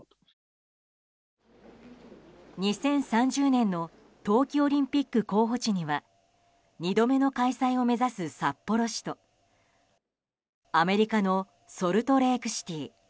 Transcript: ２０３０年の冬季オリンピック候補地には２度目の開催を目指す札幌市とアメリカのソルトレークシティー